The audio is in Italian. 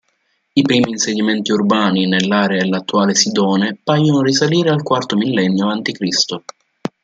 I primi insediamenti urbani nell'area dell'attuale Sidone paiono risalire al quarto millennio avanti Cristo.